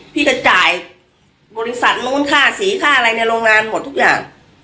พี่ก็จ่ายบริษัทนู้นค่าสีค่าอะไรในโรงงานหมดทุกอย่าง